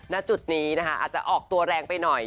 ณจุดนี้นะคะอาจจะออกตัวแรงไปหน่อย